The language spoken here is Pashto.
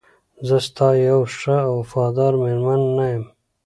زه ستا یوه ښه او وفاداره میرمن نه یم؟